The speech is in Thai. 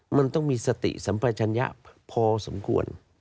มันต้องมีสติสัมปัชญะพอสมควร